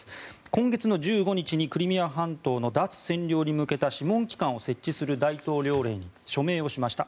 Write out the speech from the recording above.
今月１５日にクリミア半島の脱占領に向けた諮問機関を設置する大統領令に署名しました。